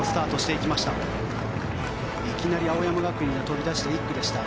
いきなり青山学院が飛び出した１区でした。